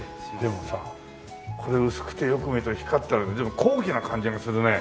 でもさこれ薄くてよく見ると光ってて随分高貴な感じがするね。